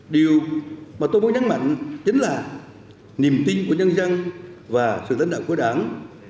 điều mà tôi muốn nhắc mạnh chính là niềm tin của nhân dân và sự tấn đạo của đảng